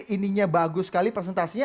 ininya bagus sekali presentasinya